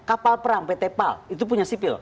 kapal perang pt pal itu punya sipil